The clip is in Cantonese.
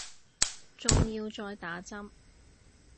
仲要再打針